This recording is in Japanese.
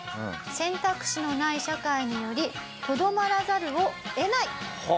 選択肢のない社会によりとどまらざるを得ない。